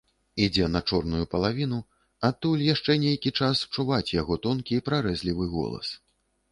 Ідзе на чорную палавіну, адтуль яшчэ нейкі час чуваць яго тонкі прарэзлівы голас.